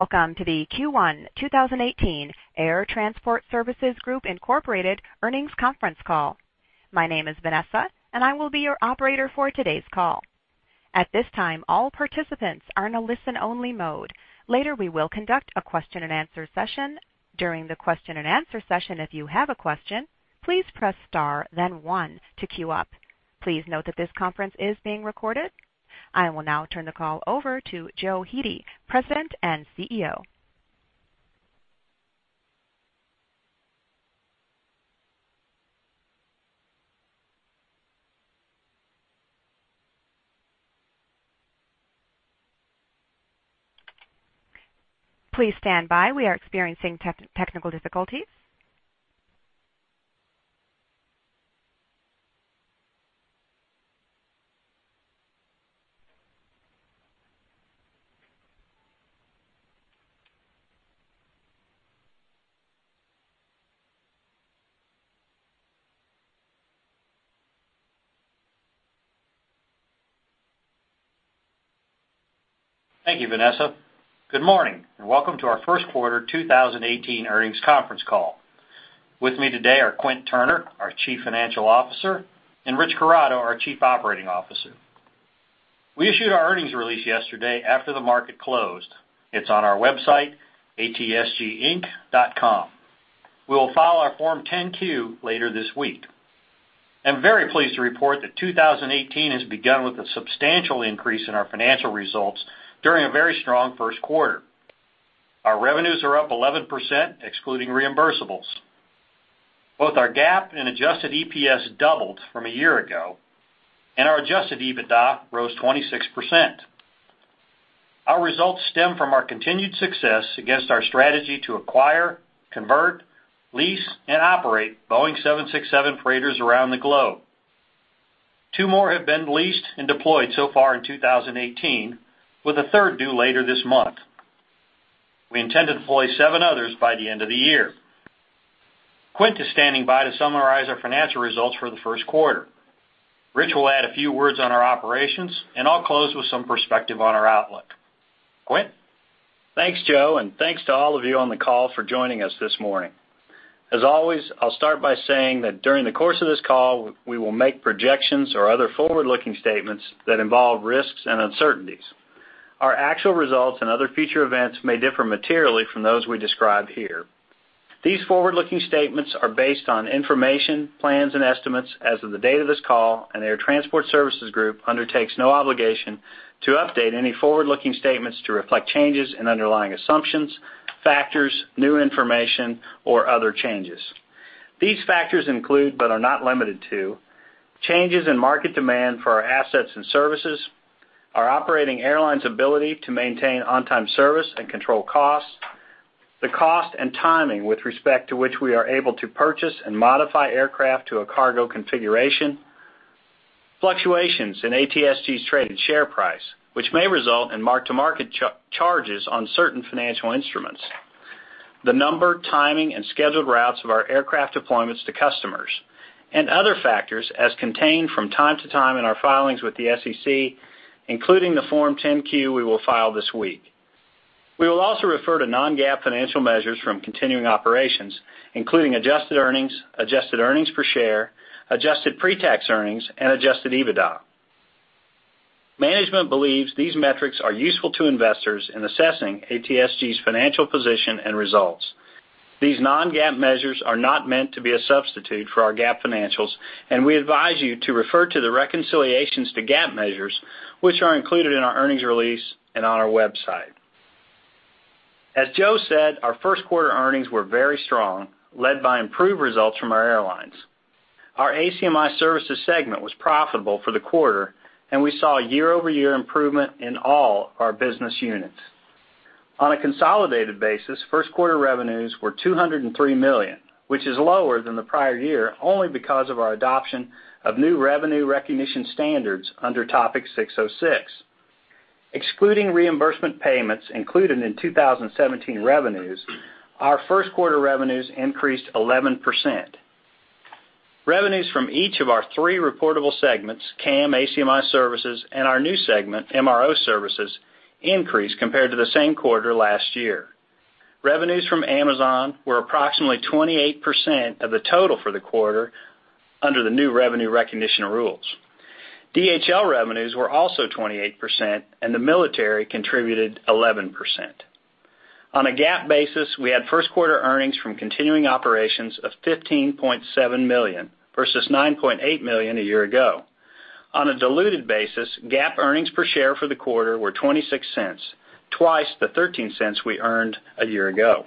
Welcome to the Q1 2018 Air Transport Services Group, Inc. earnings conference call. My name is Vanessa, and I will be your operator for today's call. At this time, all participants are in a listen-only mode. Later, we will conduct a question and answer session. During the question and answer session, if you have a question, please press star then one to queue up. Please note that this conference is being recorded. I will now turn the call over to Joe Hete, President and CEO. Please stand by. We are experiencing technical difficulties. Thank you, Vanessa. Good morning, welcome to our first quarter 2018 earnings conference call. With me today are Quint Turney, our Chief Financial Officer, and Rich Corrado, our Chief Operating Officer. We issued our earnings release yesterday after the market closed. It's on our website, atsginc.com. We will file our Form 10-Q later this week. I'm very pleased to report that 2018 has begun with a substantial increase in our financial results during a very strong first quarter. Our revenues are up 11%, excluding reimbursables. Both our GAAP and adjusted EPS doubled from a year ago, our adjusted EBITDA rose 26%. Our results stem from our continued success against our strategy to acquire, convert, lease, and operate Boeing 767 freighters around the globe. Two more have been leased and deployed so far in 2018, with a third due later this month. We intend to deploy seven others by the end of the year. Quint is standing by to summarize our financial results for the first quarter. Rich will add a few words on our operations, I'll close with some perspective on our outlook. Quint? Thanks, Joe, thanks to all of you on the call for joining us this morning. As always, I'll start by saying that during the course of this call, we will make projections or other forward-looking statements that involve risks and uncertainties. Our actual results and other future events may differ materially from those we describe here. These forward-looking statements are based on information, plans, and estimates as of the date of this call, Air Transport Services Group undertakes no obligation to update any forward-looking statements to reflect changes in underlying assumptions, factors, new information, or other changes. These factors include, but are not limited to, changes in market demand for our assets and services, our operating airlines' ability to maintain on-time service and control costs, the cost and timing with respect to which we are able to purchase and modify aircraft to a cargo configuration, fluctuations in ATSG's traded share price, which may result in mark-to-market charges on certain financial instruments, the number, timing, and scheduled routes of our aircraft deployments to customers, and other factors as contained from time to time in our filings with the SEC, including the Form 10-Q we will file this week. We will also refer to non-GAAP financial measures from continuing operations, including adjusted earnings, adjusted earnings per share, adjusted pre-tax earnings, and adjusted EBITDA. Management believes these metrics are useful to investors in assessing ATSG's financial position and results. These non-GAAP measures are not meant to be a substitute for our GAAP financials, we advise you to refer to the reconciliations to GAAP measures, which are included in our earnings release and on our website. As Joe said, our first quarter earnings were very strong, led by improved results from our airlines. Our ACMI Services segment was profitable for the quarter, we saw year-over-year improvement in all our business units. On a consolidated basis, first quarter revenues were $203 million, which is lower than the prior year, only because of our adoption of new revenue recognition standards under Topic 606. Excluding reimbursement payments included in 2017 revenues, our first quarter revenues increased 11%. Revenues from each of our three reportable segments, CAM, ACMI Services, and our new segment, MRO Services, increased compared to the same quarter last year. Revenues from Amazon were approximately 28% of the total for the quarter under the new revenue recognition rules. DHL revenues were also 28%, the military contributed 11%. On a GAAP basis, we had first-quarter earnings from continuing operations of $15.7 million versus $9.8 million a year ago. On a diluted basis, GAAP earnings per share for the quarter were $0.26, twice the $0.13 we earned a year ago.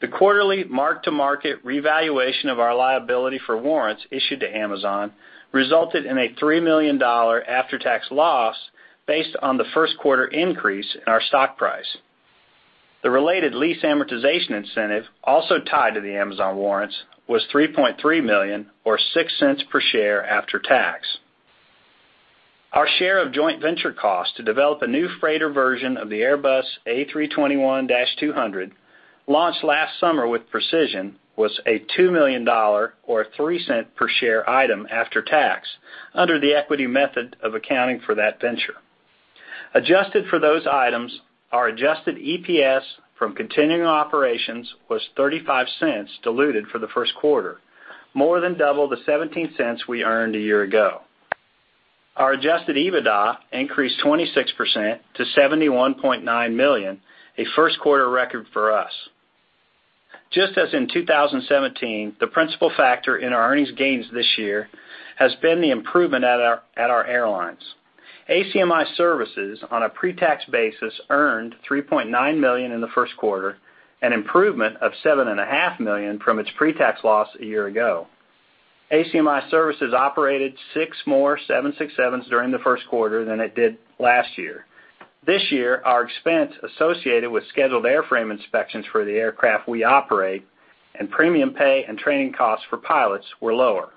The quarterly mark-to-market revaluation of our liability for warrants issued to Amazon resulted in a $3 million after-tax loss based on the first quarter increase in our stock price. The related lease amortization incentive, also tied to the Amazon warrants, was $3.3 million or $0.06 per share after tax. Our share of joint venture costs to develop a new freighter version of the Airbus A321-200 Launched last summer with Precision, was a $2 million, or a $0.03 per share item after tax, under the equity method of accounting for that venture. Adjusted for those items, our adjusted EPS from continuing operations was $0.35 diluted for the first quarter, more than double the $0.17 we earned a year ago. Our adjusted EBITDA increased 26% to $71.9 million, a first quarter record for us. Just as in 2017, the principal factor in our earnings gains this year has been the improvement at our airlines. ACMI Services, on a pre-tax basis, earned $3.9 million in the first quarter, an improvement of $seven and a half million from its pre-tax loss a year ago. ACMI Services operated six more 767s during the first quarter than it did last year. This year, our expense associated with scheduled airframe inspections for the aircraft we operate, and premium pay and training costs for pilots were lower.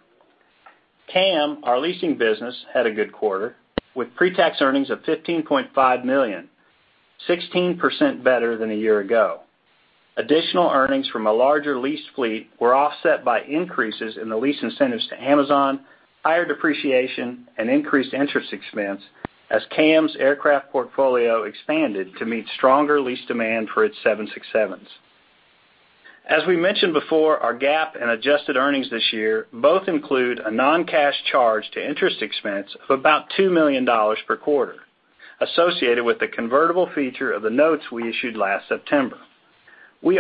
CAM, our leasing business, had a good quarter, with pre-tax earnings of $15.5 million. 16% better than a year ago. Additional earnings from a larger leased fleet were offset by increases in the lease incentives to Amazon, higher depreciation, and increased interest expense as CAM's aircraft portfolio expanded to meet stronger lease demand for its 767s. As we mentioned before, our GAAP in adjusted earnings this year both include a non-cash charge to interest expense of about $2 million per quarter, associated with the convertible feature of the notes we issued last September. The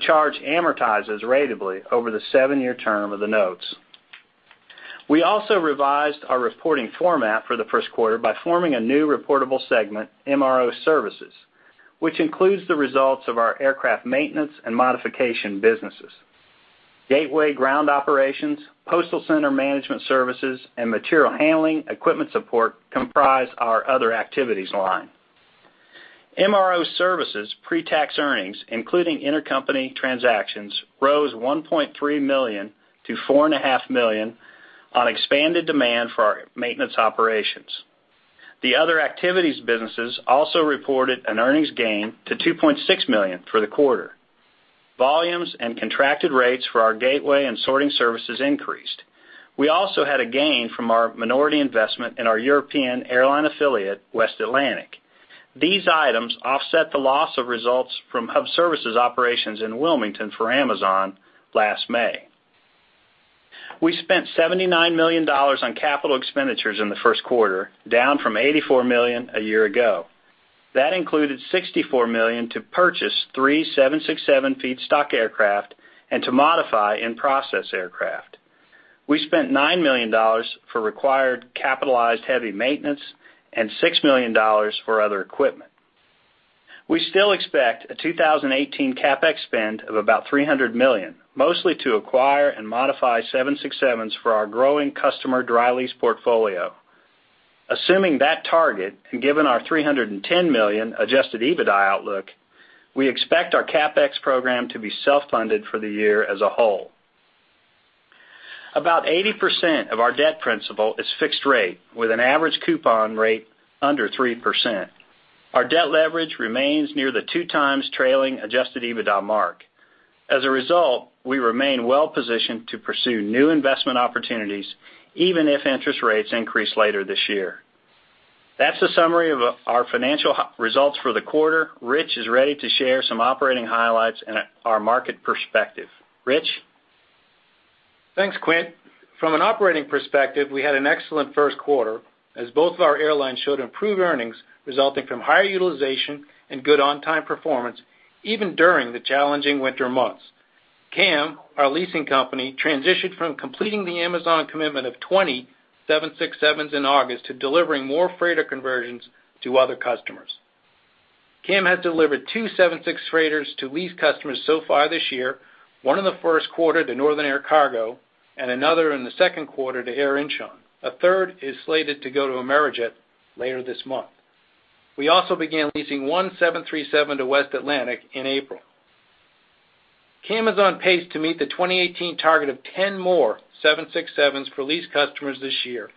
charge amortizes ratably over the 7-year term of the notes. We also revised our reporting format for the first quarter by forming a new reportable segment, MRO Services, which includes the results of our aircraft maintenance and modification businesses. Gateway Ground Operations, Postal Center Management Services, and Material Handling Equipment Support comprise our other activities line. MRO Services pre-tax earnings, including intercompany transactions, rose $1.3 million to four and a half million on expanded demand for our maintenance operations. The other activities businesses also reported an earnings gain to $2.6 million for the quarter. Volumes and contracted rates for our gateway and sorting services increased. We also had a gain from our minority investment in our European airline affiliate, West Atlantic. These items offset the loss of results from hub services operations in Wilmington for Amazon last May. We spent $79 million on capital expenditures in the first quarter, down from $84 million a year ago. That included $64 million to purchase three 767 feedstock aircraft and to modify in-process aircraft. We spent $9 million for required capitalized heavy maintenance and $6 million for other equipment. We still expect a 2018 CapEx spend of about $300 million, mostly to acquire and modify 767s for our growing customer dry lease portfolio. Assuming that target, and given our $310 million adjusted EBITDA outlook, we expect our CapEx program to be self-funded for the year as a whole. About 80% of our debt principle is fixed rate, with an average coupon rate under 3%. Our debt leverage remains near the two times trailing adjusted EBITDA mark. We remain well-positioned to pursue new investment opportunities, even if interest rates increase later this year. That's the summary of our financial results for the quarter. Rich is ready to share some operating highlights and our market perspective. Rich? Thanks, Quint. From an operating perspective, we had an excellent first quarter. Both of our airlines showed improved earnings resulting from higher utilization and good on-time performance, even during the challenging winter months. CAM, our leasing company, transitioned from completing the Amazon commitment of 20 767s in August to delivering more freighter conversions to other customers. CAM has delivered 2 767 freighters to lease customers so far this year, one in the first quarter to Northern Air Cargo, and another in the second quarter to Air Incheon. A 3rd is slated to go to Amerijet later this month. We also began leasing 1 737 to West Atlantic in April. CAM is on pace to meet the 2018 target of 10 more 767s for lease customers this year,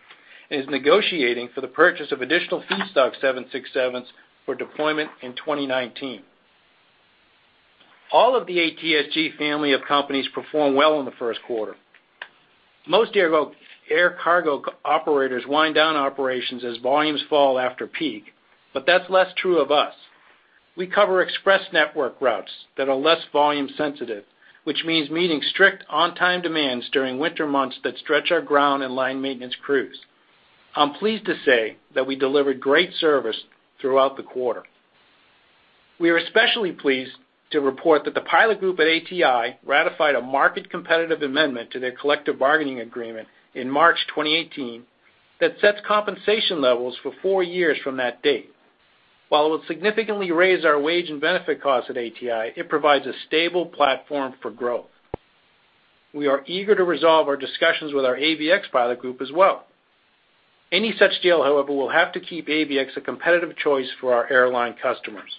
and is negotiating for the purchase of additional feedstock 767s for deployment in 2019. All of the ATSG family of companies performed well in the first quarter. That's less true of us. We cover express network routes that are less volume sensitive, which means meeting strict on-time demands during winter months that stretch our ground and line maintenance crews. I am pleased to say that we delivered great service throughout the quarter. We are especially pleased to report that the pilot group at Air Transport International ratified a market-competitive amendment to their collective bargaining agreement in March 2018 that sets compensation levels for three-year from that date. It would significantly raise our wage and benefit costs at Air Transport International, it provides a stable platform for growth. We are eager to resolve our discussions with our ABX pilot group as well. Any such deal, however, will have to keep ABX a competitive choice for our airline customers.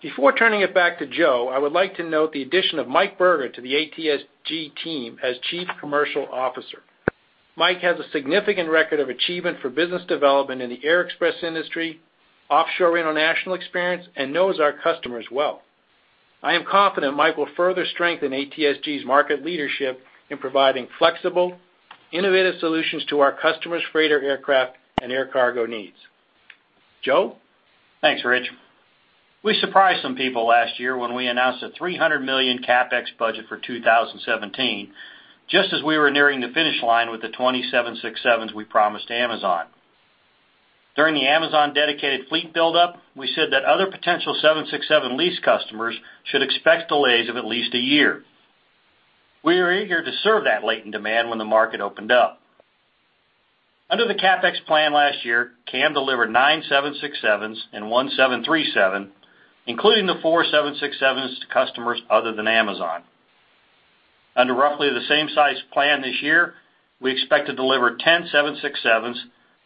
Before turning it back to Joe, I would like to note the addition of Mike Berger to the ATSG team as Chief Commercial Officer. Mike has a significant record of achievement for business development in the air express industry, offshore international experience, and knows our customers well. I am confident Mike will further strengthen ATSG's market leadership in providing flexible, innovative solutions to our customers' freighter aircraft and air cargo needs. Joe? Thanks, Rich. We surprised some people last year when we announced a $300 million CapEx budget for 2017, just as we were nearing the finish line with the 20 Boeing 767s we promised Amazon. During the Amazon dedicated fleet buildup, we said that other potential Boeing 767 lease customers should expect delays of at least a year. We are eager to serve that latent demand when the market opened up. Under the CapEx plan last year, Cargo Aircraft Management delivered nine Boeing 767s and one Boeing 737, including the four Boeing 767s to customers other than Amazon. Under roughly the same size plan this year, we expect to deliver 10 Boeing 767s,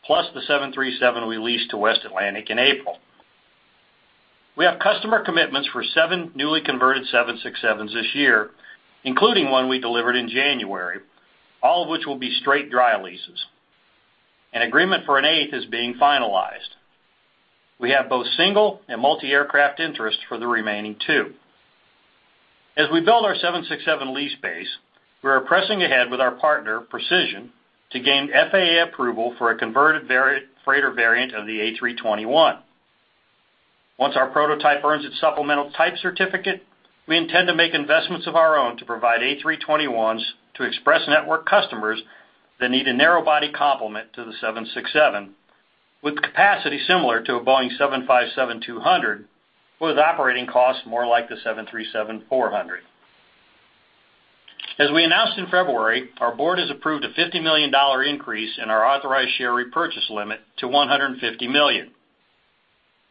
plus the Boeing 737 we leased to West Atlantic in April. We have customer commitments for seven newly converted Boeing 767s this year, including one we delivered in January, all of which will be straight dry leases. An agreement for an eighth is being finalized. We have both single and multi-aircraft interests for the remaining two. As we build our Boeing 767 lease base, we are pressing ahead with our partner, Precision, to gain FAA approval for a converted freighter variant of the Airbus A321. Once our prototype earns its Supplemental Type Certificate, we intend to make investments of our own to provide Airbus A321s to express network customers that need a narrow body complement to the Boeing 767, with capacity similar to a Boeing 757-200, but with operating costs more like the Boeing 737-400. As we announced in February, our board has approved a $50 million increase in our authorized share repurchase limit to $150 million.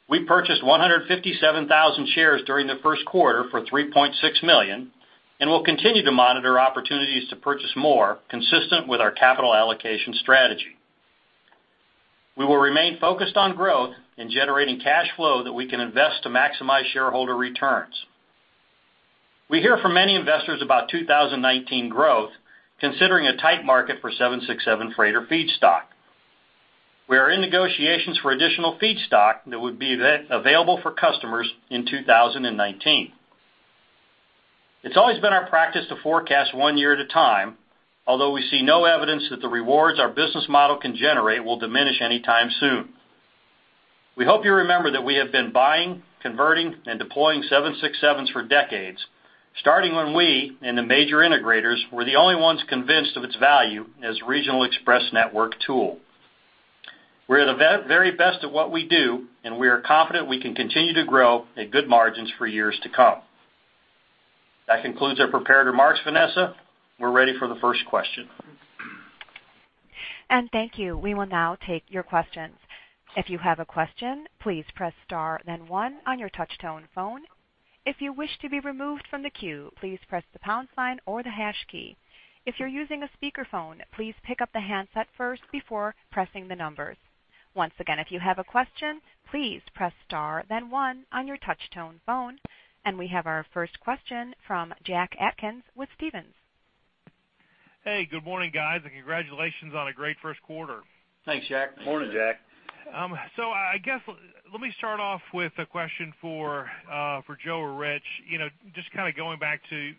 We purchased 157,000 shares during the first quarter for $3.6 million and will continue to monitor opportunities to purchase more, consistent with our capital allocation strategy. We will remain focused on growth and generating cash flow that we can invest to maximize shareholder returns. We hear from many investors about 2019 growth, considering a tight market for 767 freighter feedstock. We are in negotiations for additional feedstock that would be available for customers in 2019. It's always been our practice to forecast one year at a time, although we see no evidence that the rewards our business model can generate will diminish anytime soon. We hope you remember that we have been buying, converting, and deploying 767s for decades, starting when we and the major integrators were the only ones convinced of its value as a regional express network tool. We're at the very best at what we do, and we are confident we can continue to grow at good margins for years to come. That concludes our prepared remarks, Vanessa. We're ready for the first question. Thank you. We will now take your questions. If you have a question, please press star then one on your touch tone phone. If you wish to be removed from the queue, please press the pound sign or the hash key. If you're using a speakerphone, please pick up the handset first before pressing the numbers. Once again, if you have a question, please press star then one on your touch tone phone. We have our first question from Jack Atkins with Stephens. Hey, good morning, guys, and congratulations on a great first quarter. Thanks, Jack. Morning, Jack. I guess, let me start off with a question for Joe or Rich. Just kind of going back to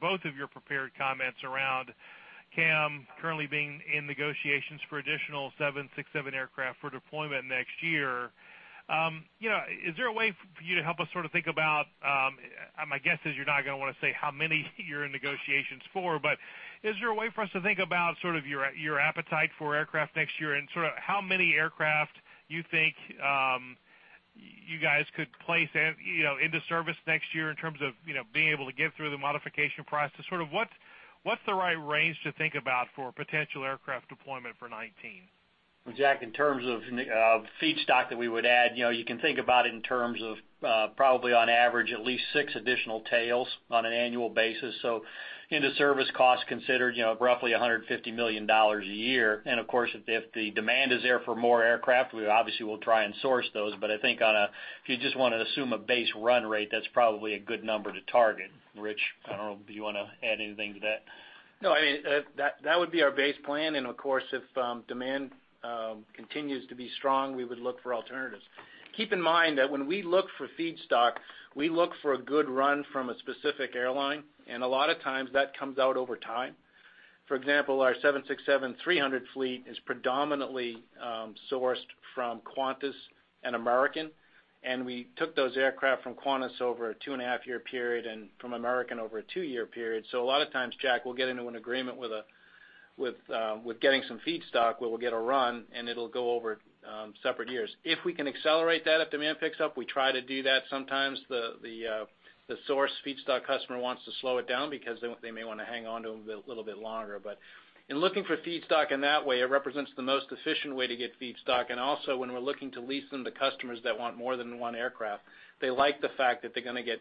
both of your prepared comments around CAM currently being in negotiations for additional Boeing 767 aircraft for deployment next year. Is there a way for you to help us sort of think about, my guess is you're not going to want to say how many you're in negotiations for, but is there a way for us to think about sort of your appetite for aircraft next year and sort of how many aircraft you think you guys could place into service next year in terms of being able to get through the modification process? Sort of what's the right range to think about for potential aircraft deployment for 2019? Well, Jack, in terms of feedstock that we would add, you can think about it in terms of probably on average at least six additional tails on an annual basis. Inter-service costs considered, roughly $150 million a year. Of course, if the demand is there for more aircraft, we obviously will try and source those. I think if you just want to assume a base run rate, that's probably a good number to target. Rich, I don't know, do you want to add anything to that? No, that would be our base plan. Of course, if demand continues to be strong, we would look for alternatives. Keep in mind that when we look for feedstock, we look for a good run from a specific airline. A lot of times, that comes out over time. For example, our Boeing 767-300 fleet is predominantly sourced from Qantas and American Airlines. We took those aircraft from Qantas over a two and a half year period and from American Airlines over a two year period. A lot of times, Jack, we'll get into an agreement with getting some feedstock where we'll get a run, and it'll go over separate years. If we can accelerate that if demand picks up, we try to do that. Sometimes the source feedstock customer wants to slow it down because they may want to hang on to them a little bit longer. In looking for feedstock in that way, it represents the most efficient way to get feedstock. Also, when we're looking to lease them to customers that want more than one aircraft, they like the fact that they're going to get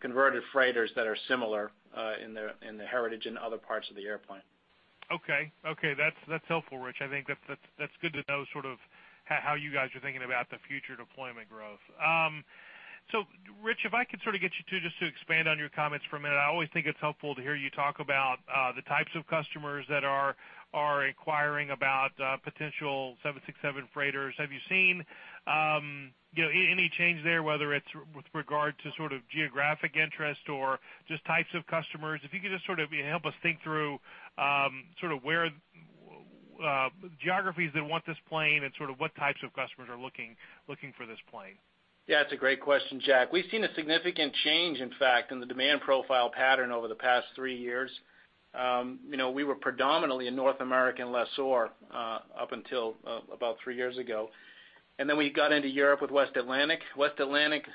converted freighters that are similar in the heritage in other parts of the airplane. Okay. That's helpful, Rich. I think that's good to know how you guys are thinking about the future deployment growth. Rich, if I could get you to just expand on your comments for a minute. I always think it's helpful to hear you talk about the types of customers that are inquiring about potential Boeing 767 freighters. Have you seen any change there, whether it's with regard to geographic interest or just types of customers? If you could just help us think through geographies that want this plane and what types of customers are looking for this plane. Yeah, it's a great question, Jack. We've seen a significant change, in fact, in the demand profile pattern over the past three years. We were predominantly a North American lessor up until about three years ago. Then we got into Europe with West Atlantic. West Atlantic,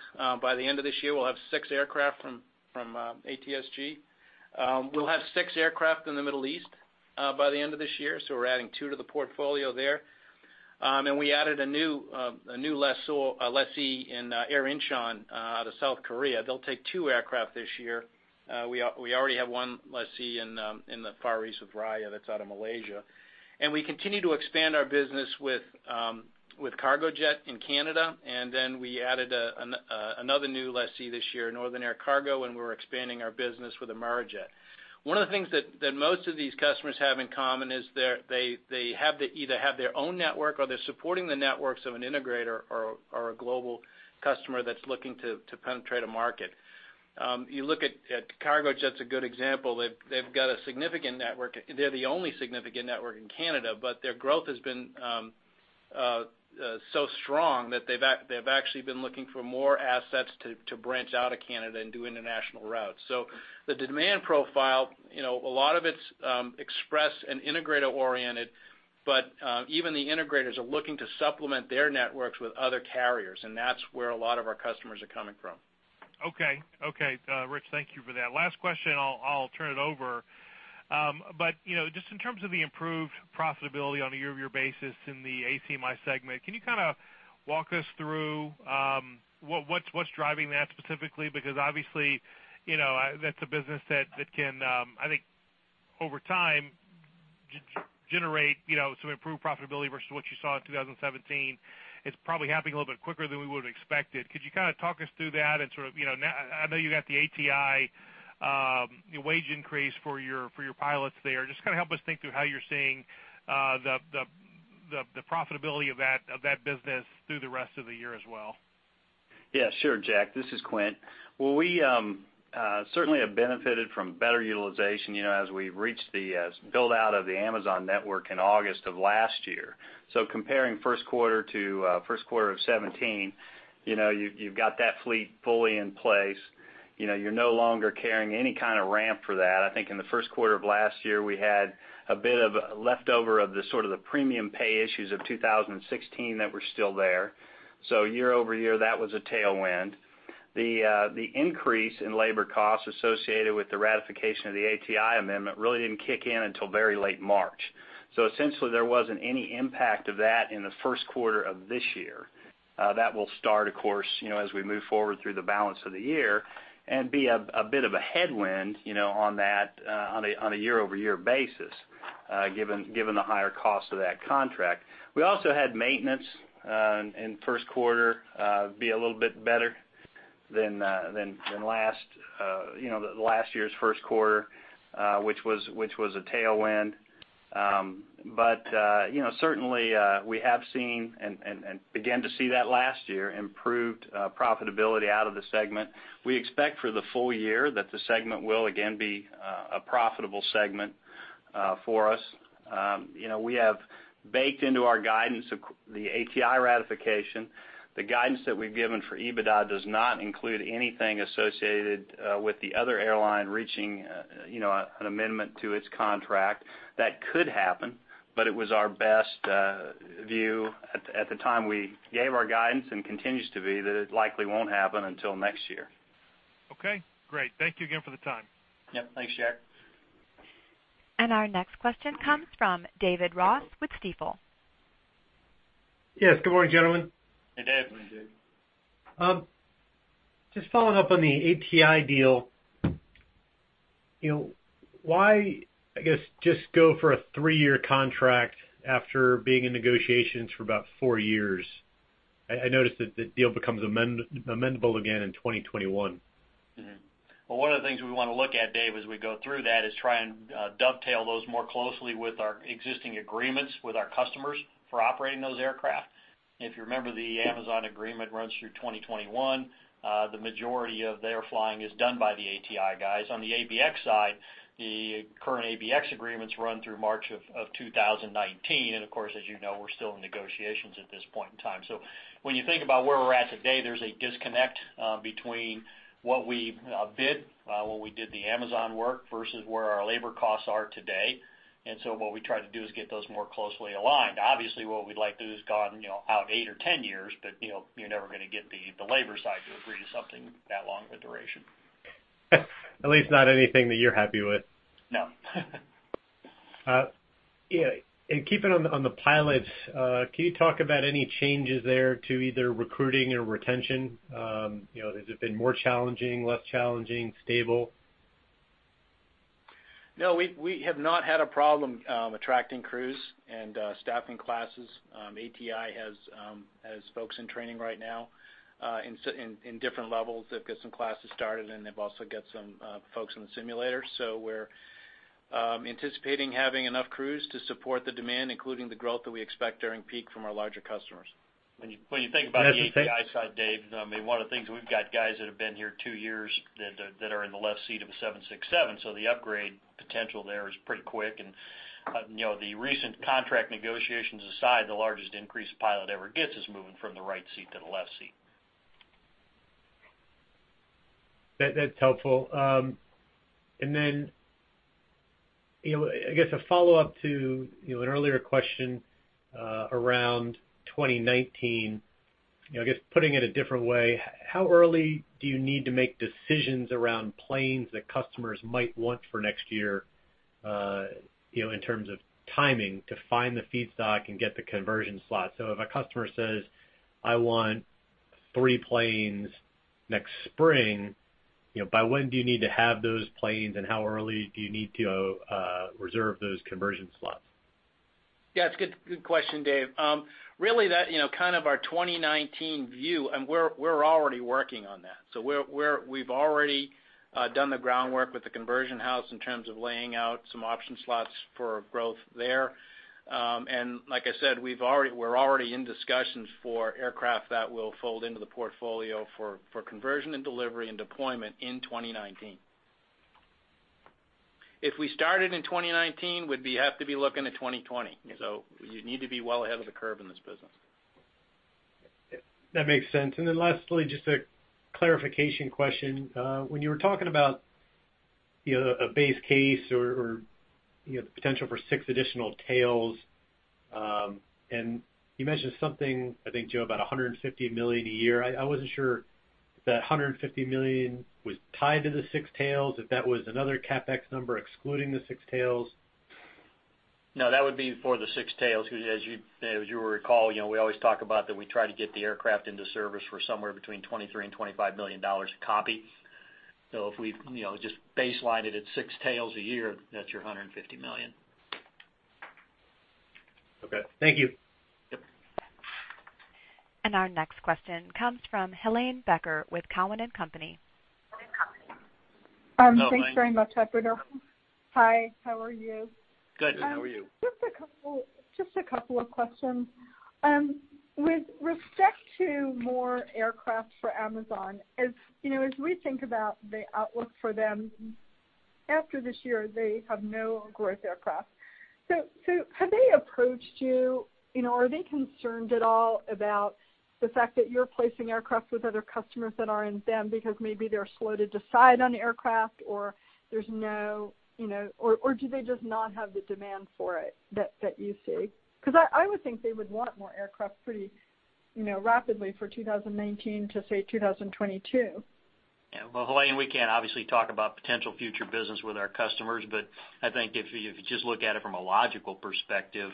by the end of this year, will have six aircraft from ATSG. We'll have six aircraft in the Middle East by the end of this year, so we're adding two to the portfolio there. We added a new lessee in Air Incheon, out of South Korea. They'll take two aircraft this year. We already have one lessee in the Far East with Raya Airways that's out of Malaysia. We continue to expand our business with Cargojet in Canada. We added another new lessee this year, Northern Air Cargo. We're expanding our business with Amerijet. One of the things that most of these customers have in common is they either have their own network or they're supporting the networks of an integrator or a global customer that's looking to penetrate a market. Cargojet's a good example. They've got a significant network. They're the only significant network in Canada, but their growth has been so strong that they've actually been looking for more assets to branch out of Canada and do international routes. The demand profile, a lot of it's express and integrator-oriented, but even the integrators are looking to supplement their networks with other carriers, and that's where a lot of our customers are coming from. Okay. Rich, thank you for that. Last question, I'll turn it over. Just in terms of the improved profitability on a year-over-year basis in the ACMI segment, can you kind of walk us through what's driving that specifically? Because obviously, that's a business that can, I think over time, generate some improved profitability versus what you saw in 2017. It's probably happening a little bit quicker than we would've expected. Could you kind of talk us through that? I know you got the ATI wage increase for your pilots there. Just kind of help us think through how you're seeing the profitability of that business through the rest of the year as well. Yeah, sure, Jack. This is Quint. We certainly have benefited from better utilization as we've reached the build-out of the Amazon network in August of last year. Comparing first quarter to first quarter of 2017, you've got that fleet fully in place. You're no longer carrying any kind of ramp for that. I think in the first quarter of last year, we had a bit of leftover of the sort of the premium pay issues of 2016 that were still there. Year-over-year, that was a tailwind. The increase in labor costs associated with the ratification of the ATI amendment really didn't kick in until very late March. Essentially, there wasn't any impact of that in the first quarter of this year. That will start, of course, as we move forward through the balance of the year and be a bit of a headwind on a year-over-year basis given the higher cost of that contract. We also had maintenance in first quarter be a little bit better than last year's first quarter, which was a tailwind. Certainly, we have seen, and began to see that last year, improved profitability out of the segment. We expect for the full year that the segment will again be a profitable segment for us. We have baked into our guidance the ATI ratification. The guidance that we've given for EBITDA does not include anything associated with the other airline reaching an amendment to its contract. That could happen, but it was our best view at the time we gave our guidance and continues to be that it likely won't happen until next year. Okay, great. Thank you again for the time. Yep. Thanks, Jack. Our next question comes from David Ross with Stifel. Yes. Good morning, gentlemen. Hey, Dave. Morning, Dave. Just following up on the ATI deal. Why, I guess, just go for a three-year contract after being in negotiations for about four years? I noticed that the deal becomes amendable again in 2021. Well, one of the things we want to look at, Dave, as we go through that, is try and dovetail those more closely with our existing agreements with our customers for operating those aircraft. If you remember, the Amazon agreement runs through 2021. The majority of their flying is done by the ATI guys. Of course, as you know, we're still in negotiations at this point in time. When you think about where we're at today, there's a disconnect between what we bid when we did the Amazon work versus where our labor costs are today. What we try to do is get those more closely aligned. Obviously, what we'd like to do is gone out eight or 10 years, You're never going to get the labor side to agree to something that long of a duration. At least not anything that you're happy with. No. Keeping on the pilots, can you talk about any changes there to either recruiting or retention? Has it been more challenging, less challenging, stable? No, we have not had a problem attracting crews and staffing classes. ATI has folks in training right now in different levels. They've got some classes started, and they've also got some folks in the simulator. We're anticipating having enough crews to support the demand, including the growth that we expect during peak from our larger customers. That's okay. When you think about the ATI side, Dave, one of the things, we've got guys that have been here two years that are in the left seat of a 767, so the upgrade potential there is pretty quick. The recent contract negotiations aside, the largest increase a pilot ever gets is moving from the right seat to the left seat. That's helpful. Then, I guess a follow-up to an earlier question around 2019. I guess putting it a different way, how early do you need to make decisions around planes that customers might want for next year, in terms of timing to find the feedstock and get the conversion slots? If a customer says, "I want three planes next spring," by when do you need to have those planes and how early do you need to reserve those conversion slots? Yeah, it's a good question, Dave. Really, kind of our 2019 view. We're already working on that. We've already done the groundwork with the conversion house in terms of laying out some option slots for growth there. Like I said, we're already in discussions for aircraft that will fold into the portfolio for conversion and delivery and deployment in 2019. If we started in 2019, we'd have to be looking at 2020. You need to be well ahead of the curve in this business. That makes sense. Lastly, just a clarification question. When you were talking about a base case or the potential for six additional tails, you mentioned something, I think Joe, about $150 million a year. I wasn't sure if that $150 million was tied to the six tails, if that was another CapEx number excluding the six tails. No, that would be for the six tails, because as you recall, we always talk about that we try to get the aircraft into service for somewhere between $23 million and $25 million a copy. If we just baseline it at six tails a year, that's your $150 million. Okay. Thank you. Yep. Our next question comes from Helane Becker with Cowen and Company. Hello, Helane. Thanks very much. Hi, Bruno. Hi, how are you? Good. How are you? Just a couple of questions. With respect to more aircraft for Amazon, as we think about the outlook for them after this year, they have no growth aircraft. Have they approached you? Are they concerned at all about the fact that you're placing aircraft with other customers that aren't them because maybe they're slow to decide on aircraft, or do they just not have the demand for it that you see? I would think they would want more aircraft pretty rapidly for 2019 to, say, 2022. Well, Helane, we can't obviously talk about potential future business with our customers, but I think if you just look at it from a logical perspective,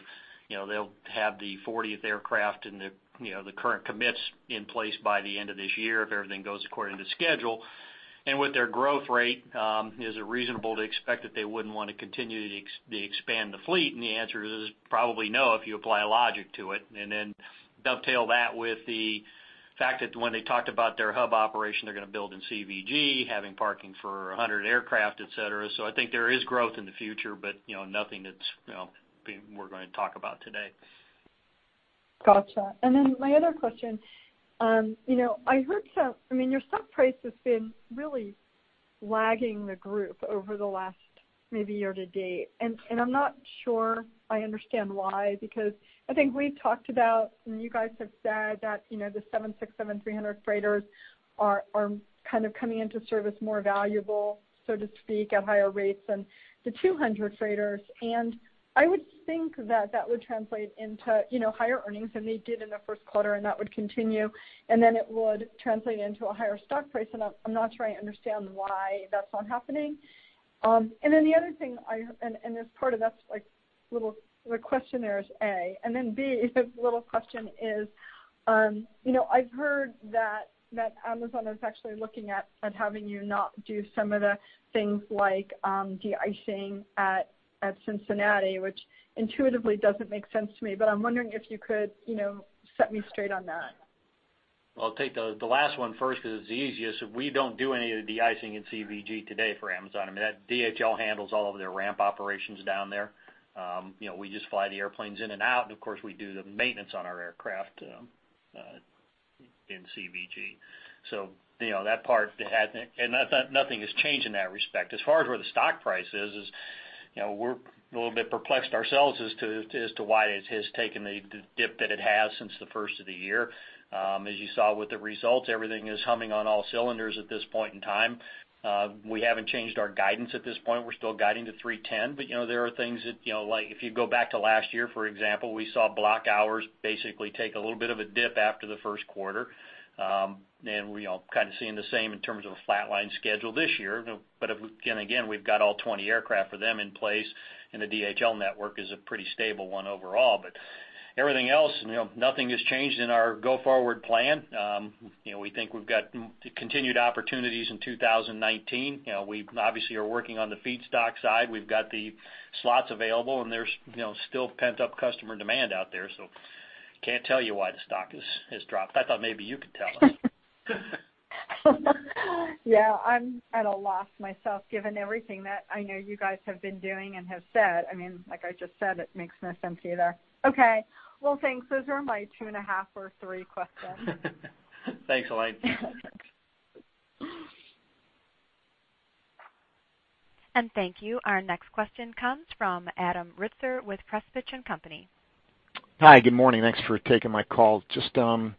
they'll have the 40th aircraft and the current commits in place by the end of this year if everything goes according to schedule. With their growth rate, is it reasonable to expect that they wouldn't want to continue to expand the fleet? The answer is probably no if you apply logic to it. Dovetail that with the fact that when they talked about their hub operation they're going to build in CVG, having parking for 100 aircraft, et cetera. I think there is growth in the future, but nothing that we're going to talk about today. Gotcha. My other question. I heard your stock price has been really lagging the group over the last maybe year to date, and I'm not sure I understand why, because I think we've talked about, and you guys have said that the Boeing 767-300 freighters are kind of coming into service more valuable, so to speak, at higher rates than the 200 freighters. I would think that that would translate into higher earnings than they did in the first quarter, that would continue, it would translate into a higher stock price. I'm not sure I understand why that's not happening. The other thing, this part of that's like little questionnaires, A. B, the little question is, I've heard that Amazon is actually looking at having you not do some of the things like de-icing at Cincinnati, which intuitively doesn't make sense to me, but I'm wondering if you could set me straight on that. Well, I'll take the last one first because it's the easiest. We don't do any of the de-icing in CVG today for Amazon. I mean, DHL handles all of their ramp operations down there. We just fly the airplanes in and out, and of course, we do the maintenance on our aircraft in CVG. That part, nothing has changed in that respect. As far as where the stock price is, we're a little bit perplexed ourselves as to why it has taken the dip that it has since the first of the year. As you saw with the results, everything is humming on all cylinders at this point in time. We haven't changed our guidance at this point. We're still guiding to 310, but there are things that, like if you go back to last year, for example, we saw block hours basically take a little bit of a dip after the first quarter. We're all kind of seeing the same in terms of a flatline schedule this year. Again, we've got all 20 aircraft for them in place, and the DHL network is a pretty stable one overall. Everything else, nothing has changed in our go-forward plan. We think we've got continued opportunities in 2019. We obviously are working on the feedstock side. We've got the slots available, and there's still pent-up customer demand out there. Can't tell you why the stock has dropped. I thought maybe you could tell us. Yeah. I'm at a loss myself, given everything that I know you guys have been doing and have said. Like I just said, it makes no sense either. Okay. Well, thanks. Those are my two and a half or three questions. Thanks, Helane. Okay. Thanks. Thank you. Our next question comes from Adam Ritzer with R.W. Pressprich & Co.. Hi. Good morning. Thanks for taking my call. Just a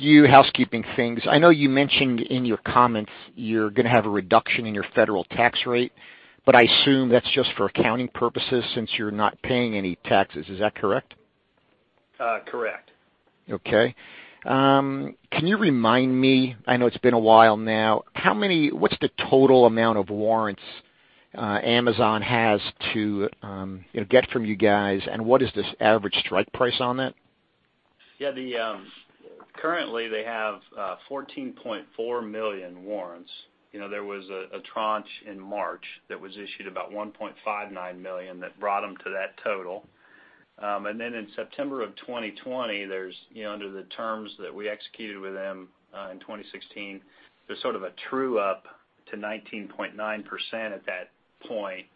few housekeeping things. I know you mentioned in your comments you're going to have a reduction in your federal tax rate, I assume that's just for accounting purposes since you're not paying any taxes. Is that correct? Correct. Okay. Can you remind me, I know it's been a while now, what's the total amount of warrants Amazon has to get from you guys, and what is this average strike price on that? Yeah. Currently, they have 14.4 million warrants. There was a tranche in March that was issued about 1.59 million that brought them to that total. Then in September of 2020, under the terms that we executed with them in 2016, there's sort of a true-up to 19.9% at that point.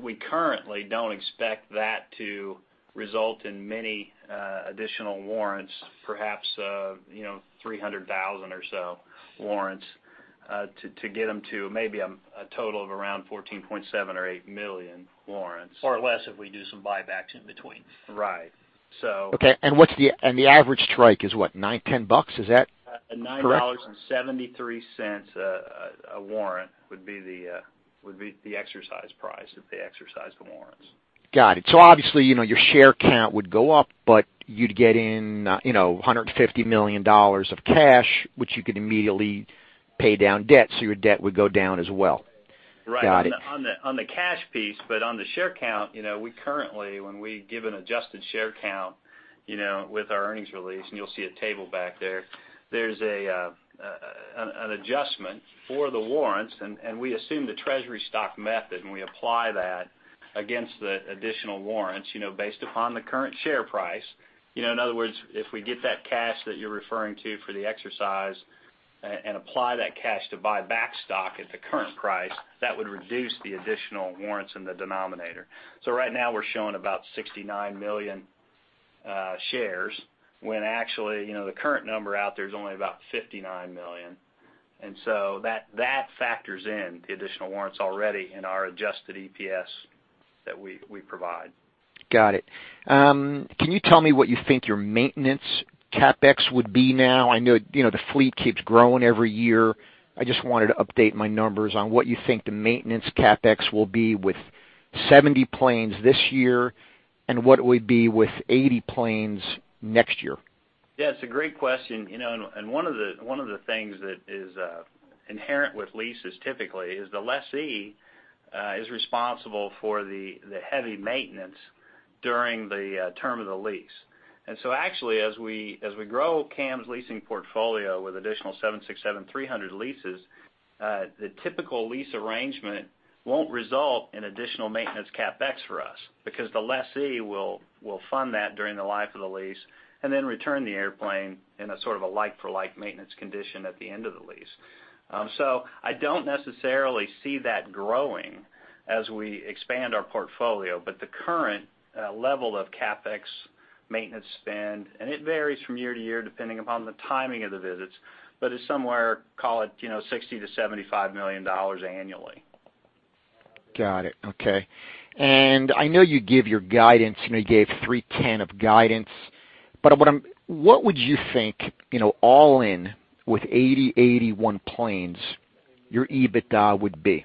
We currently don't expect that to result in many additional warrants, perhaps 300,000 or so warrants to get them to maybe a total of around 14.7 or 8 million warrants. Less if we do some buybacks in between. Right. Okay. The average strike is what, $9-$10? Is that correct? $9.73 a warrant would be the exercise price if they exercise the warrants. Got it. Obviously, your share count would go up, but you'd get in $150 million of cash, which you could immediately pay down debt, so your debt would go down as well. Right. Got it. On the cash piece, but on the share count, we currently, when we give an adjusted share count with our earnings release, and you'll see a table back there's an adjustment for the warrants, and we assume the treasury stock method, and we apply that against the additional warrants, based upon the current share price. In other words, if we get that cash that you're referring to for the exercise and apply that cash to buy back stock at the current price, that would reduce the additional warrants in the denominator. Right now, we're showing about 69 million shares when actually, the current number out there is only about 59 million. That factors in the additional warrants already in our adjusted EPS that we provide. Got it. Can you tell me what you think your maintenance CapEx would be now? I know the fleet keeps growing every year. I just wanted to update my numbers on what you think the maintenance CapEx will be with 70 planes this year and what it would be with 80 planes next year. Yeah, it's a great question. One of the things that is inherent with leases typically is the lessee is responsible for the heavy maintenance during the term of the lease. So actually, as we grow CAM's leasing portfolio with additional Boeing 767-300 leases, the typical lease arrangement won't result in additional maintenance CapEx for us because the lessee will fund that during the life of the lease and then return the airplane in a sort of a like-for-like maintenance condition at the end of the lease. I don't necessarily see that growing as we expand our portfolio, but the current level of CapEx maintenance spend, and it varies from year to year, depending upon the timing of the visits, but it's somewhere, call it, $60 million-$75 million annually. Got it. Okay. I know you give your guidance, you gave 310 of guidance, what would you think, all in with 80, 81 planes, your EBITDA would be?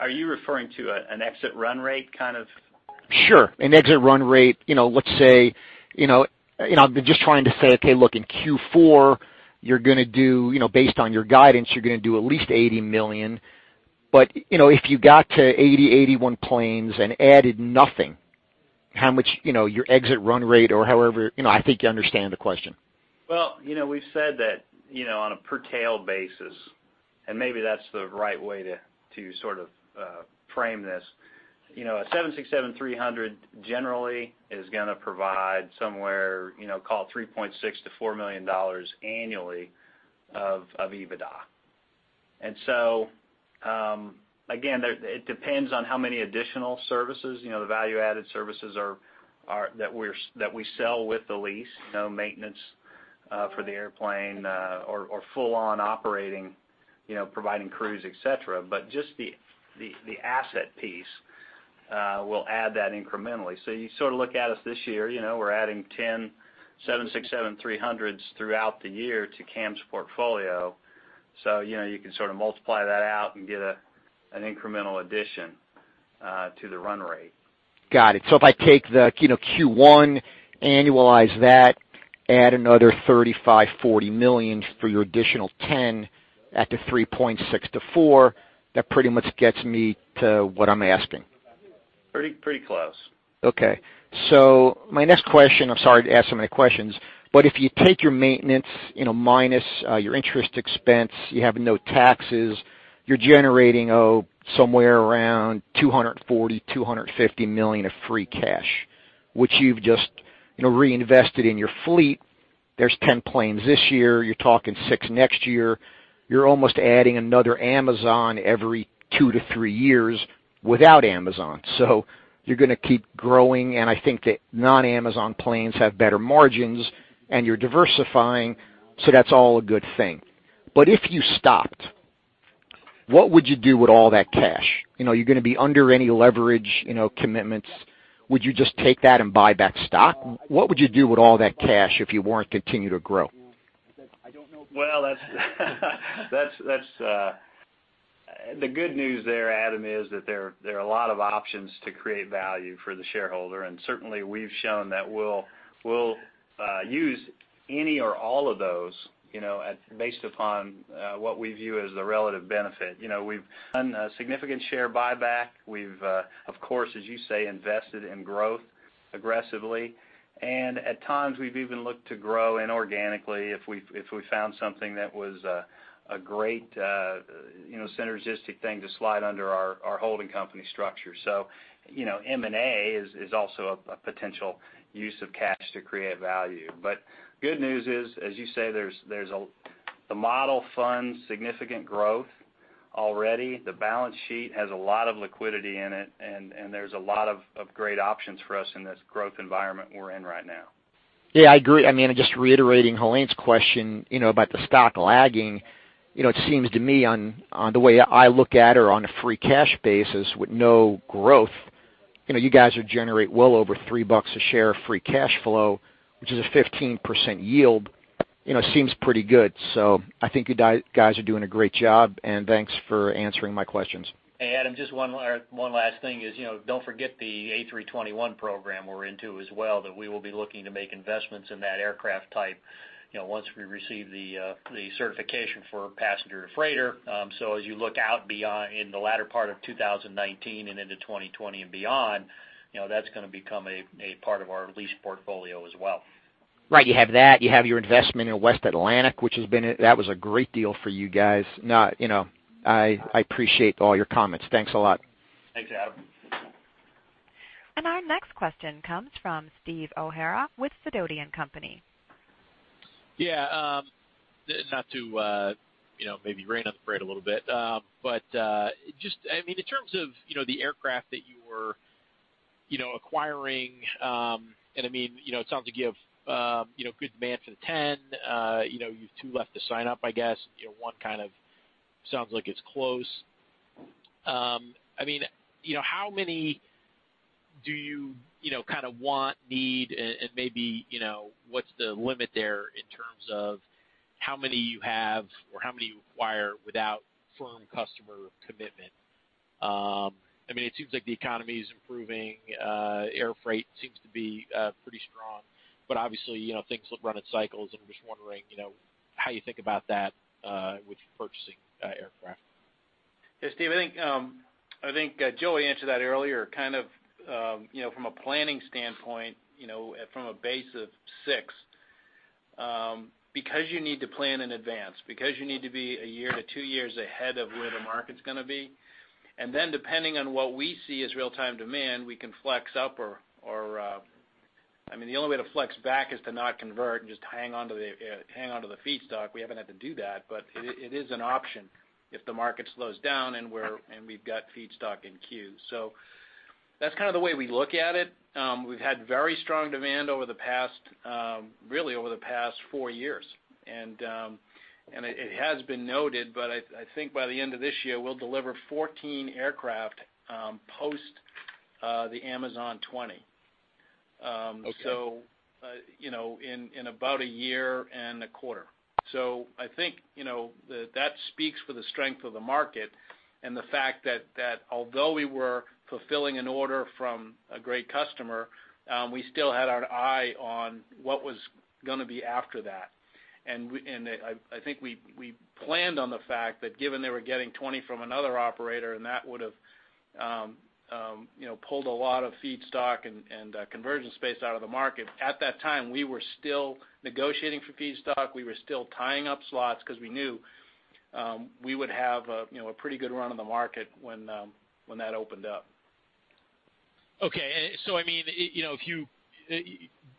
Are you referring to an exit run rate kind of? Sure. An exit run rate. I'm just trying to say, okay, look, in Q4, based on your guidance, you're going to do at least $80 million. If you got to 80, 81 planes and added nothing, how much your exit run rate or however, I think you understand the question. Well, we've said that on a per tail basis, and maybe that's the right way to sort of frame this. A 767-300 generally is going to provide somewhere, call it $3.6 million to $4 million annually of EBITDA. Again, it depends on how many additional services, the value-added services that we sell with the lease, maintenance for the airplane or full-on operating, providing crews, et cetera. Just the asset piece will add that incrementally. You sort of look at us this year, we're adding 10 767-300s throughout the year to CAM's portfolio. You can sort of multiply that out and get an incremental addition to the run rate. Got it. If I take the Q1, annualize that Add another $35 million-$40 million for your additional 10 at the 3.6 to 4. That pretty much gets me to what I'm asking. Pretty close. My next question, I'm sorry to ask so many questions, but if you take your maintenance minus your interest expense, you have no taxes, you're generating, somewhere around $240 million-$250 million of free cash, which you've just reinvested in your fleet. There's 10 planes this year. You're talking six next year. You're almost adding another Amazon every two to three years without Amazon. You're going to keep growing, and I think that non-Amazon planes have better margins, and you're diversifying, that's all a good thing. If you stopped, what would you do with all that cash? Are you going to be under any leverage commitments? Would you just take that and buy back stock? What would you do with all that cash if you weren't continue to grow? The good news there, Adam, is that there are a lot of options to create value for the shareholder, and certainly, we've shown that we'll use any or all of those, based upon what we view as the relative benefit. We've done a significant share buyback. We've, of course, as you say, invested in growth aggressively. At times, we've even looked to grow inorganically if we found something that was a great synergistic thing to slide under our holding company structure. M&A is also a potential use of cash to create value. Good news is, as you say, the model funds significant growth already. The balance sheet has a lot of liquidity in it, and there's a lot of great options for us in this growth environment we're in right now. I agree. Just reiterating Helane's question about the stock lagging. It seems to me on the way I look at or on a free cash basis with no growth, you guys would generate well over $3 a share of free cash flow, which is a 15% yield. Seems pretty good. I think you guys are doing a great job, and thanks for answering my questions. Hey, Adam, just one last thing is, don't forget the A321 program we're into as well, that we will be looking to make investments in that aircraft type, once we receive the certification for passenger to freighter. As you look out in the latter part of 2019 and into 2020 and beyond, that's going to become a part of our lease portfolio as well. Right. You have that, you have your investment in West Atlantic, that was a great deal for you guys. I appreciate all your comments. Thanks a lot. Thanks, Adam. Our next question comes from Stephen O'Hara with Sidoti & Company. Yeah. Not to maybe rain on the parade a little bit. Just in terms of the aircraft that you were acquiring, it sounds like you have good demand for the 10. You've two left to sign up, I guess. One kind of sounds like it's close. Maybe what's the limit there in terms of how many you have or how many you acquire without firm customer commitment? It seems like the economy's improving. Obviously, things run in cycles, I'm just wondering how you think about that with purchasing aircraft. Steve, I think Joey answered that earlier, kind of from a planning standpoint, from a base of 6. You need to plan in advance, because you need to be 1 year to 2 years ahead of where the market's going to be. Depending on what we see as real-time demand, we can flex up. The only way to flex back is to not convert and just hang on to the feedstock. We haven't had to do that, but it is an option if the market slows down and we've got feedstock in queue. That's kind of the way we look at it. We've had very strong demand really over the past 4 years. It has been noted, but I think by the end of this year, we'll deliver 14 aircraft post the Amazon 20. Okay. In about a year and a quarter. I think that speaks for the strength of the market and the fact that although we were fulfilling an order from a great customer, we still had our eye on what was going to be after that. I think we planned on the fact that given they were getting 20 from another operator, that would've pulled a lot of feedstock and conversion space out of the market. At that time, we were still negotiating for feedstock. We were still tying up slots because we knew we would have a pretty good run on the market when that opened up. Okay.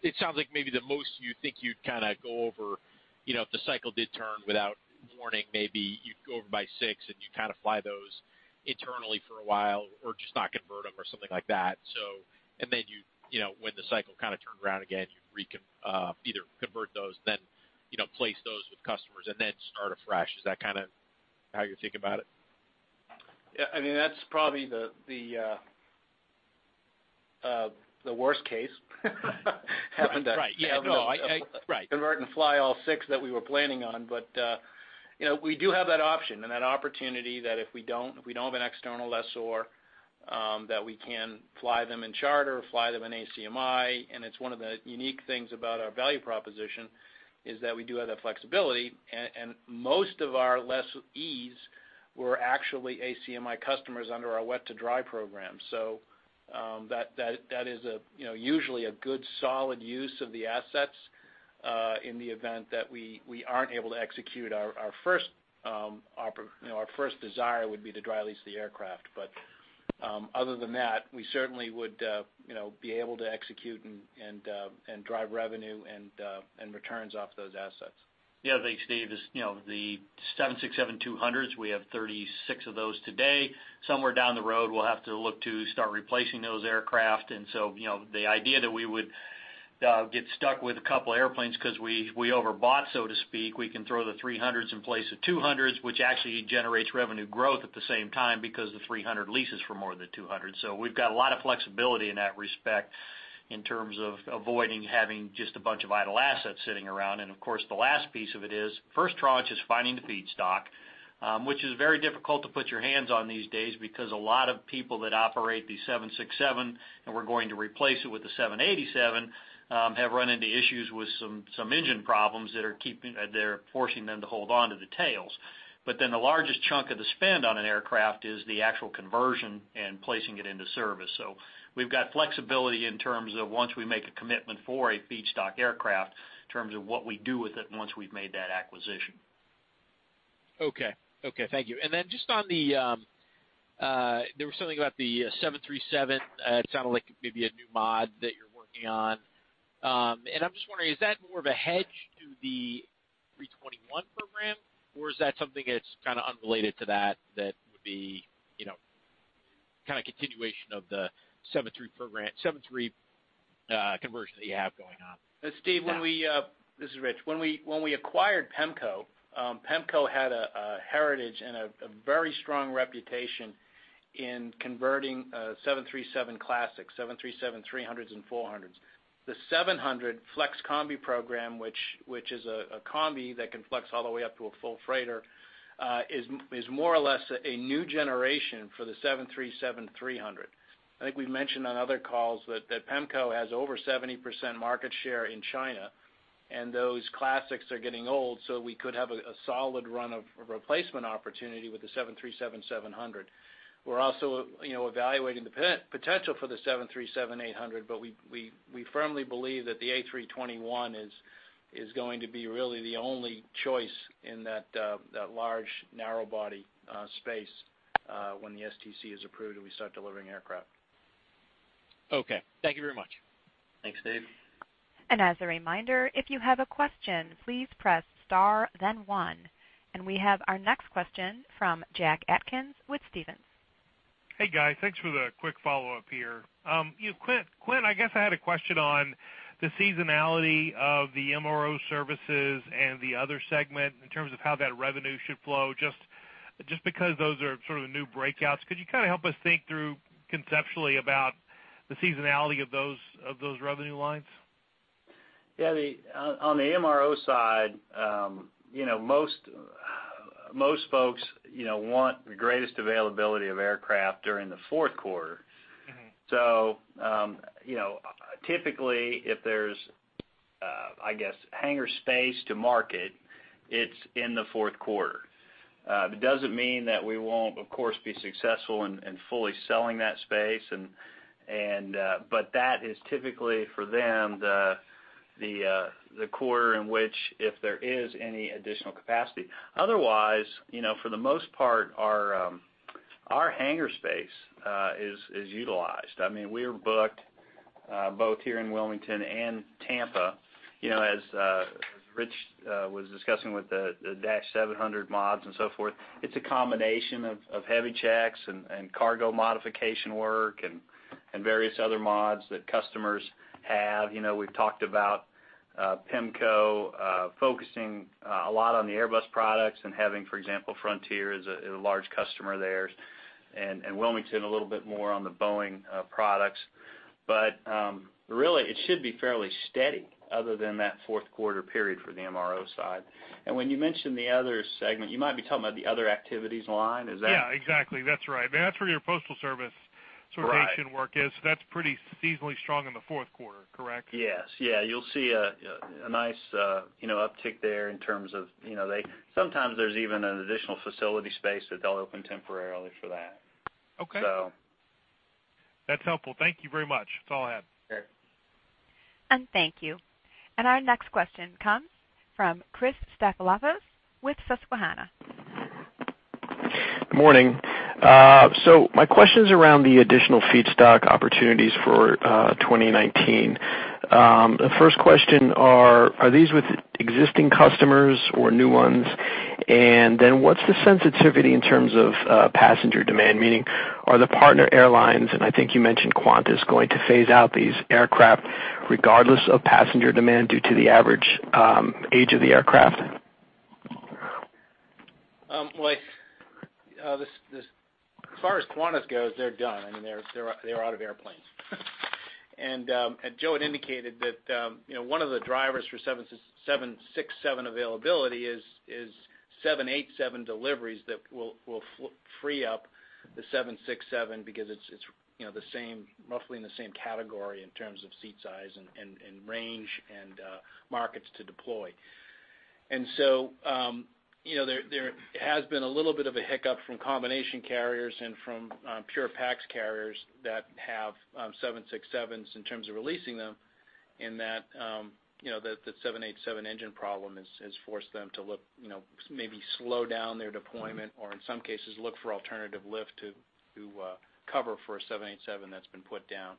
It sounds like maybe the most you think you'd kind of go over, if the cycle did turn without warning, maybe you'd go over by 6, and you kind of fly those internally for a while or just not convert them or something like that. When the cycle kind of turned around again, you either convert those, then place those with customers and then start afresh. Is that kind of how you're thinking about it? Yeah, that's probably the worst case. Right. Yeah. No. Right. Convert and fly all six that we were planning on. We do have that option and that opportunity that if we don't have an external lessor, that we can fly them in charter or fly them in ACMI. It's one of the unique things about our value proposition is that we do have that flexibility, and most of our lessees were actually ACMI customers under our wet-to-dry program. That is usually a good solid use of the assets, in the event that we aren't able to execute our first desire, would be to dry lease the aircraft. Other than that, we certainly would be able to execute and drive revenue and returns off those assets. Yeah. Thanks, Steve. As you know, the 767-200s, we have 36 of those today. Somewhere down the road, we'll have to look to start replacing those aircraft. The idea that we would get stuck with a couple airplanes because we overbought, so to speak, we can throw the 300s in place of 200s, which actually generates revenue growth at the same time because the 300 leases for more than 200. We've got a lot of flexibility in that respect in terms of avoiding having just a bunch of idle assets sitting around. Of course, the last piece of it is, first tranche is finding the feedstock, which is very difficult to put your hands on these days because a lot of people that operate the 767 and were going to replace it with the 787, have run into issues with some engine problems that are forcing them to hold onto the tails. The largest chunk of the spend on an aircraft is the actual conversion and placing it into service. We've got flexibility in terms of once we make a commitment for a feedstock aircraft, in terms of what we do with it once we've made that acquisition. Okay. Thank you. There was something about the 737, it sounded like maybe a new mod that you're working on. I'm just wondering, is that more of a hedge to the 321 program, or is that something that's kind of unrelated to that would be kind of continuation of the 73 conversion that you have going on? Steve, this is Rich. When we acquired PEMCO had a heritage and a very strong reputation in converting 737 classics, 737-300s and 400s. The 700 FlexCombi program, which is a combi that can flex all the way up to a full freighter, is more or less a new generation for the 737-300. I think we've mentioned on other calls that PEMCO has over 70% market share in China, and those classics are getting old, so we could have a solid run of replacement opportunity with the 737-700. We're also evaluating the potential for the 737-800, but we firmly believe that the A321 is going to be really the only choice in that large narrow body space, when the STC is approved and we start delivering aircraft. Okay. Thank you very much. Thanks, Steve. As a reminder, if you have a question, please press star then one. We have our next question from Jack Atkins with Stephens. Hey, guys. Thanks for the quick follow-up here. Quint, I guess I had a question on the seasonality of the MRO Services and the other segment in terms of how that revenue should flow, just because those are sort of the new breakouts. Could you kind of help us think through conceptually about the seasonality of those revenue lines? Yeah. On the MRO side, most folks want the greatest availability of aircraft during the fourth quarter. Typically if there's, I guess, hangar space to market, it's in the fourth quarter. It doesn't mean that we won't, of course, be successful in fully selling that space, but that is typically for them, the quarter in which if there is any additional capacity. Otherwise, for the most part, our hangar space is utilized. We are booked both here in Wilmington and Tampa. As Rich was discussing with the dash 700 mods and so forth, it's a combination of heavy checks and cargo modification work and various other mods that customers have. We've talked about PEMCO focusing a lot on the Airbus products and having, for example, Frontier as a large customer there, and Wilmington a little bit more on the Boeing products. Really, it should be fairly steady other than that fourth quarter period for the MRO side. When you mention the other segment, you might be talking about the other activities line. Is that? Yeah, exactly. That's right. That's where your postal service Right sortation work is. That's pretty seasonally strong in the fourth quarter, correct? Yes. You'll see a nice uptick there in terms of, sometimes there's even an additional facility space that they'll open temporarily for that. Okay. So. That's helpful. Thank you very much. That's all I had. Sure. Thank you. Our next question comes from Christopher Stathoulopoulos with Susquehanna. Good morning. My question's around the additional feedstock opportunities for 2019. The first question, are these with existing customers or new ones? What's the sensitivity in terms of passenger demand? Meaning, are the partner airlines, and I think you mentioned Qantas, going to phase out these aircraft regardless of passenger demand due to the average age of the aircraft? As far as Qantas goes, they're done. They're out of airplanes. Joe had indicated that one of the drivers for Boeing 767 availability is Boeing 787 deliveries that will free up the Boeing 767 because it's roughly in the same category in terms of seat size and range and markets to deploy. There has been a little bit of a hiccup from combination carriers and from pure pax carriers that have Boeing 767s in terms of releasing them, in that the Boeing 787 engine problem has forced them to maybe slow down their deployment or, in some cases, look for alternative lift to cover for a Boeing 787 that's been put down.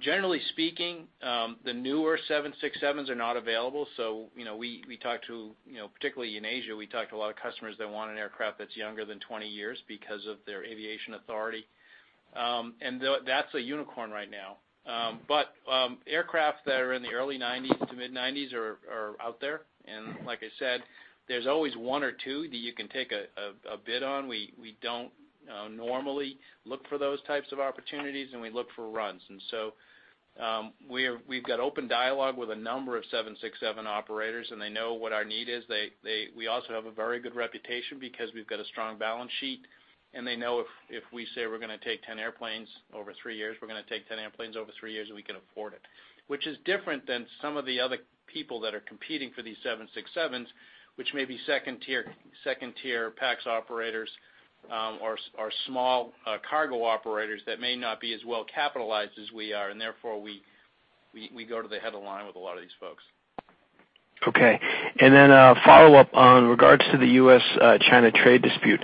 Generally speaking, the newer Boeing 767s are not available, so particularly in Asia, we talked to a lot of customers that want an aircraft that's younger than 20 years because of their aviation authority. That's a unicorn right now. Aircraft that are in the early '90s to mid-'90s are out there. Like I said, there's always one or two that you can take a bid on. We don't normally look for those types of opportunities, we look for runs. We've got open dialogue with a number of Boeing 767 operators, and they know what our need is. We also have a very good reputation because we've got a strong balance sheet. They know if we say we're going to take 10 airplanes over three years, we're going to take 10 airplanes over three years and we can afford it, which is different than some of the other people that are competing for these Boeing 767s, which may be second-tier pax operators or small cargo operators that may not be as well capitalized as we are. Therefore we go to the head of line with a lot of these folks. Okay. A follow-up on regards to the U.S.-China trade dispute.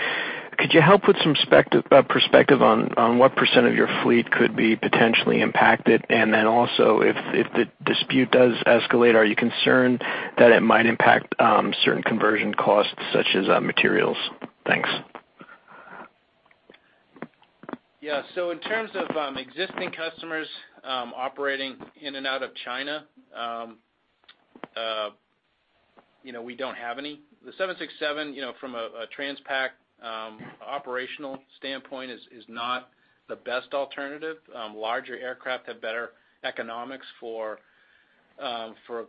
Could you help with some perspective on what % of your fleet could be potentially impacted? Also, if the dispute does escalate, are you concerned that it might impact certain conversion costs such as materials? Thanks. In terms of existing customers operating in and out of China, we don't have any. The 767, from a transpac operational standpoint, is not the best alternative. Larger aircraft have better economics for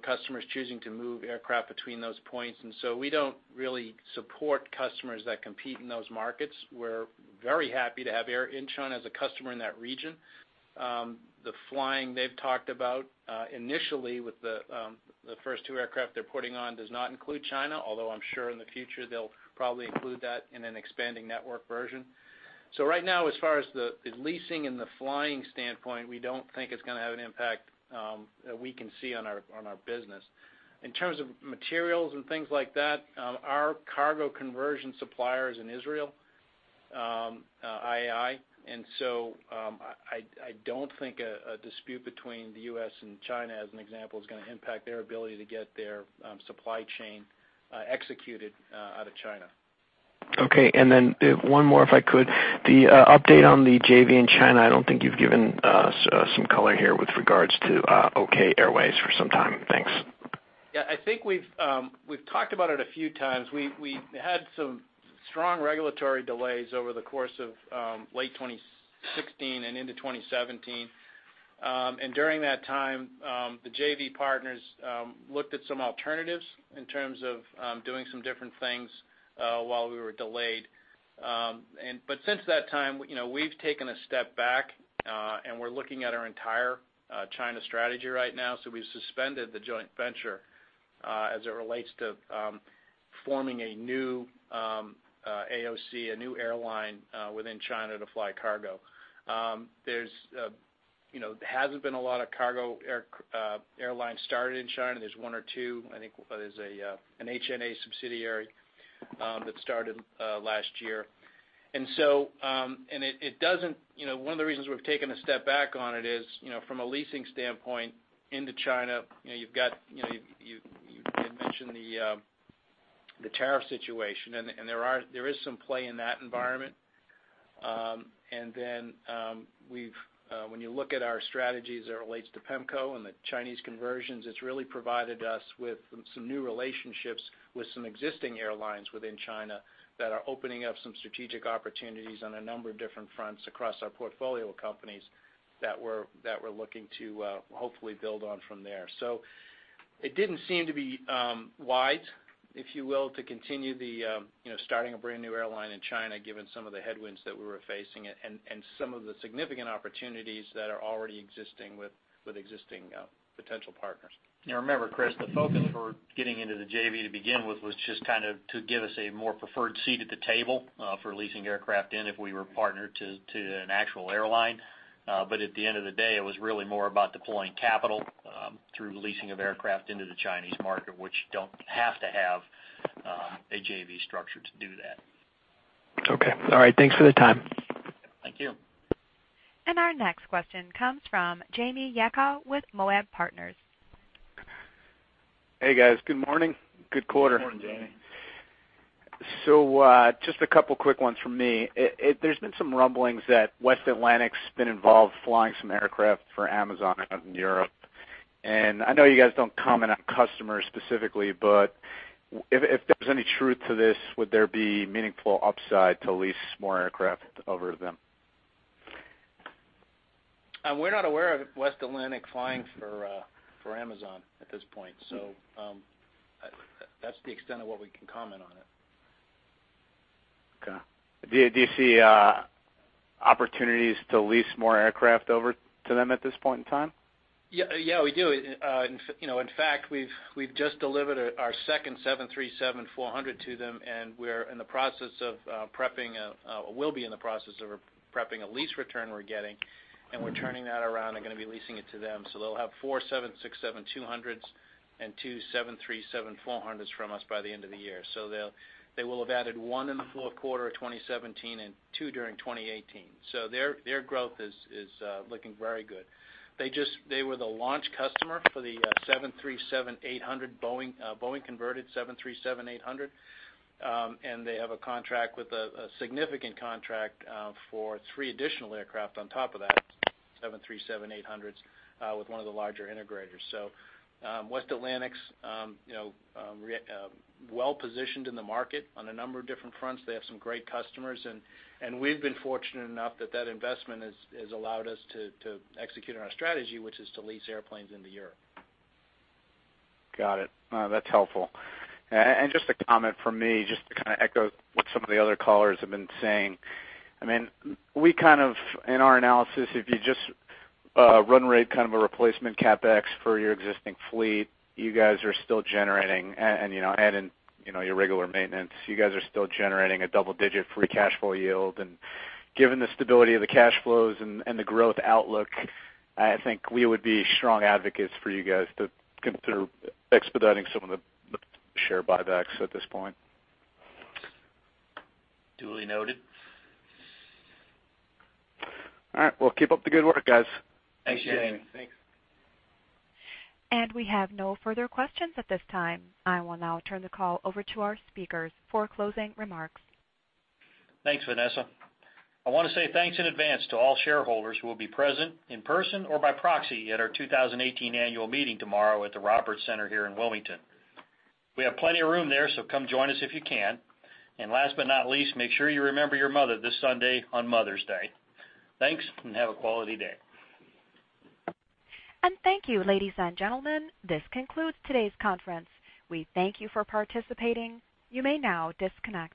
customers choosing to move aircraft between those points. We don't really support customers that compete in those markets. We're very happy to have Air Incheon as a customer in that region. The flying they've talked about initially with the first two aircraft they're putting on does not include China, although I'm sure in the future they'll probably include that in an expanding network version. Right now, as far as the leasing and the flying standpoint, we don't think it's going to have an impact that we can see on our business. In terms of materials and things like that, our cargo conversion supplier is in Israel, IAI. I don't think a dispute between the U.S. and China, as an example, is going to impact their ability to get their supply chain executed out of China. One more, if I could. The update on the JV in China, I don't think you've given us some color here with regards to Okay Airways for some time. Thanks. I think we've talked about it a few times. We had some strong regulatory delays over the course of late 2016 and into 2017. During that time, the JV partners looked at some alternatives in terms of doing some different things while we were delayed. Since that time, we've taken a step back, and we're looking at our entire China strategy right now. We've suspended the joint venture as it relates to forming a new AOC, a new airline within China to fly cargo. There hasn't been a lot of cargo airlines started in China. There's one or two, I think there's an HNA subsidiary that started last year. One of the reasons we've taken a step back on it is from a leasing standpoint into China, you mentioned the tariff situation, there is some play in that environment. When you look at our strategies as it relates to PEMCO and the Chinese conversions, it's really provided us with some new relationships with some existing airlines within China that are opening up some strategic opportunities on a number of different fronts across our portfolio of companies that we're looking to hopefully build on from there. It didn't seem to be wise, if you will, to continue starting a brand new airline in China, given some of the headwinds that we were facing and some of the significant opportunities that are already existing with existing potential partners. Remember, Chris, the focus for getting into the JV to begin with was just to give us a more preferred seat at the table for leasing aircraft in if we were partnered to an actual airline. At the end of the day, it was really more about deploying capital through leasing of aircraft into the Chinese market, which don't have to have a JV structure to do that. Okay. All right. Thanks for the time. Thank you. Our next question comes from Jamie Yacktman with Moab Partners. Hey, guys. Good morning. Good quarter. Good morning, Jamie. Just a couple quick ones from me. There's been some rumblings that West Atlantic's been involved flying some aircraft for Amazon out in Europe. I know you guys don't comment on customers specifically, but if there's any truth to this, would there be meaningful upside to lease more aircraft over to them? We're not aware of West Atlantic flying for Amazon at this point. That's the extent of what we can comment on it. Okay. Do you see opportunities to lease more aircraft over to them at this point in time? Yeah, we do. In fact, we've just delivered our second Boeing 737-400 to them, we're in the process of prepping, or will be in the process of prepping a lease return we're getting, we're turning that around and going to be leasing it to them. They'll have four Boeing 767-200s and two Boeing 737-400s from us by the end of the year. They will have added one in the fourth quarter of 2017 and two during 2018. Their growth is looking very good. They were the launch customer for the Boeing 737-800, Boeing-converted Boeing 737-800. They have a significant contract for three additional aircraft on top of that, Boeing 737-800s, with one of the larger integrators. West Atlantic's well-positioned in the market on a number of different fronts. They have some great customers, we've been fortunate enough that that investment has allowed us to execute on our strategy, which is to lease airplanes into Europe. Got it. No, that's helpful. Just a comment from me, just to kind of echo what some of the other callers have been saying. I mean, we kind of, in our analysis, if you just run rate kind of a replacement CapEx for your existing fleet, you guys are still generating, and adding your regular maintenance, you guys are still generating a double-digit free cash flow yield. Given the stability of the cash flows and the growth outlook, I think we would be strong advocates for you guys to consider expediting some of the share buybacks at this point. Duly noted. All right. Well, keep up the good work, guys. Appreciate it. Thanks. We have no further questions at this time. I will now turn the call over to our speakers for closing remarks. Thanks, Vanessa. I want to say thanks in advance to all shareholders who will be present in person or by proxy at our 2018 annual meeting tomorrow at the Roberts Center here in Wilmington. We have plenty of room there, so come join us if you can. Last but not least, make sure you remember your mother this Sunday on Mother's Day. Thanks, and have a quality day. Thank you, ladies and gentlemen. This concludes today's conference. We thank you for participating. You may now disconnect.